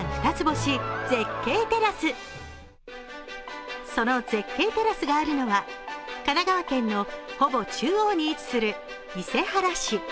まずはその絶景テラスがあるのは神奈川県のほぼ中央に位置する伊勢原市。